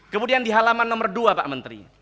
kemudian di halaman nomor dua pak menteri